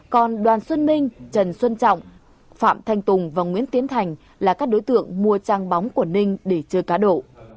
còn đoàn xuân minh trần xuân trọng phạm thanh tùng và nguyễn tiến thành là các đối tượng mua trang bóng của ninh để chơi cá độ